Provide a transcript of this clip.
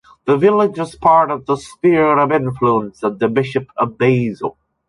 The village was part of the sphere of influence of the bishop of Basel.